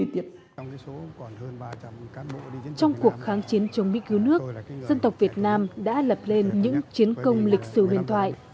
trong cuộc kháng chiến chống mỹ cứu nước dân tộc việt nam đã lập lên những chiến công lịch sử huyền thoại